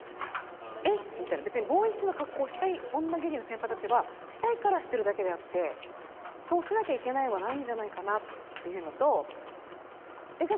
えっみたいな別にボーイッシュな格好をしたい女芸人の先輩たちはしたいからしてるだけであってそうしなきゃいけないはないんじゃないかなっていうのとじゃあ